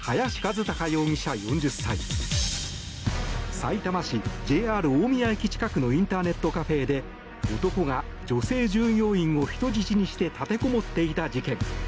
さいたま市、ＪＲ大宮駅近くのインターネットカフェで男が、女性従業員を人質にして立てこもっていた事件。